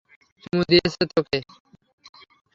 চুমু দিয়েছে তোকে।